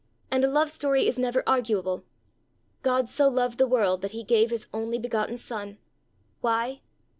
And a love story is never arguable. 'God so loved the world that He gave His only begotten Son!' Why?